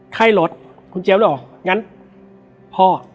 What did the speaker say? ไข่ลดคุณเจ๋วหรือออกงั้นพ่อ